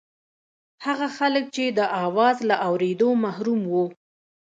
هغه خلک چې د اواز له اورېدو محروم وو.